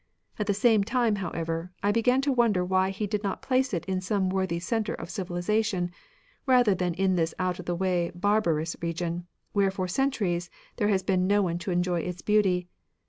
At the same time, however, I began to wonder why He did not place it in some worthy centre of civilisation, rather than in this out of the way barbarous region, where for centuries there has been no one to enjoy its beauty.